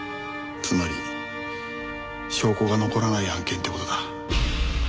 つまり証拠が残らない案件って事だ。